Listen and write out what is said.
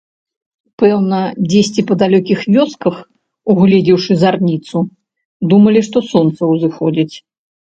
Пэўна, дзесьці па далёкіх вёсках, угледзеўшы зарніцу, думалі, што сонца ўзыходзіць.